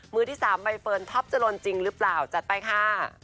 มือที่๓ใบเฟิร์นท็อปจรนจริงหรือเปล่าจัดไปค่ะ